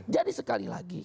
jadi sekali lagi